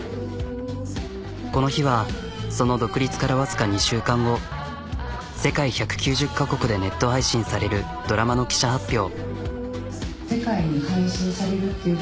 この日はその独立からわずか２週間後世界１９０カ国でネット配信されるドラマの記者発表。